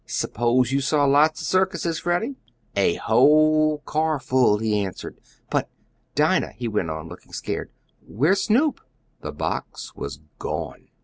"S'pose you saw lots of circuses, Freddie?" "A whole carful," he answered, "but, Dinah," he went on, looking scared, "where's Snoop?" The box was gone!